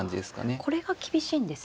これが厳しいんですね。